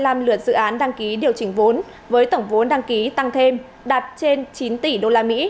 chín trăm tám mươi năm lượt dự án đăng ký điều chỉnh vốn với tổng vốn đăng ký tăng thêm đạt trên chín tỷ usd